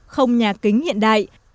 không nhà kính hiện đại